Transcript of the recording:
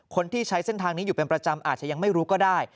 คนที่ใช้เส้นทางนี้อยู่เป็นประจำอาจจะยังไม่รู้ก็ได้